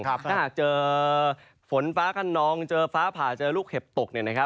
ถ้าหากเจอฝนฟ้าขนองเจอฟ้าผ่าเจอลูกเห็บตก